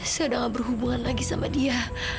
saya udah gak berhubungan lagi sama dia